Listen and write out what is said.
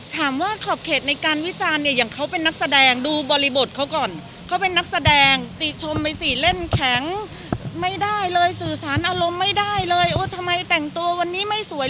คิดว่าคอบเขตในการวิจารณ์คือแขกใหม่ไหม